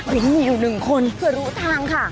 วินมีอยู่หนึ่งคนเพื่อรู้ทางค่ะ